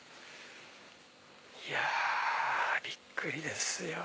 いやびっくりですよ